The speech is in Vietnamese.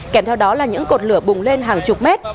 kèm theo đó là những cột lửa bùng lên hàng chục mét